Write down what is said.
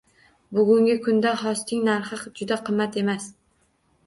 Bugungi kunda hosting narxi juda qimmat emas